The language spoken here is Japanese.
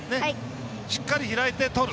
しっかり開いてとる。